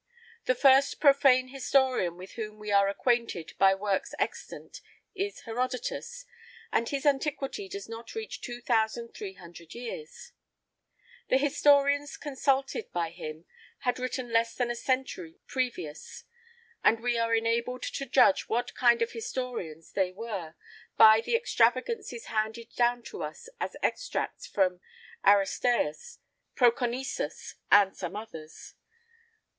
The first profane historian with whom we are acquainted by works extant is Herodotus, and his antiquity does not reach two thousand three hundred years. The historians consulted by him had written less than a century previous; and we are enabled to judge what kind of historians they were by the extravagances handed down to us as extracts from Aristæus, Proconesus, and some others.